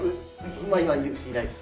今は牛いないです。